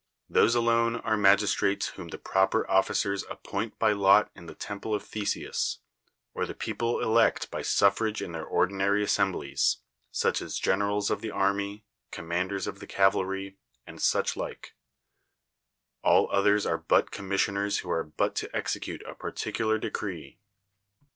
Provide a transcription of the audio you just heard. Those alone are magistrates whom the proper officers appoint by lot in the temple of Theseus, or the people elect by suffrage in their ordinary assemblies, such as generals of the army, commanders of the cavalry, and such like; all others are but commissioners who are but to execute a particular decree.